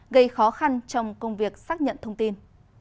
gây khó khăn trong công việc xác nhận thông tin